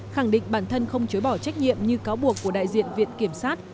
khẳng định bản thân không chối bỏ trách nhiệm như cáo buộc của đại diện viện kiểm sát